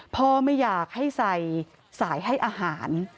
พ่อไม่อยากให้ใส่สายให้อาหาร